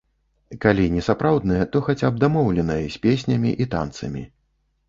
Калі не сапраўднае, то хаця б дамоўленае, з песнямі і танцамі.